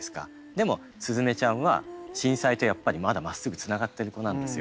でも鈴芽ちゃんは震災とやっぱりまだまっすぐつながってる子なんですよ。